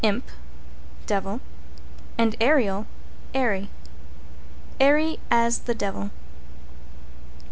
imp, devil and aerial, airy. Airy as the devil.